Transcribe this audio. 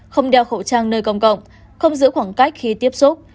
không đeo khẩu trang nơi công cộng không giữ khoảng cách khi tiếp xúc